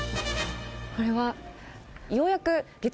これは？